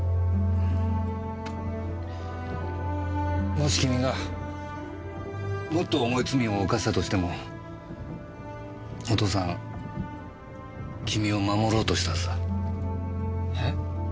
もし君がもっと重い罪を犯したとしてもお父さん君を守ろうとしたはずだ。え？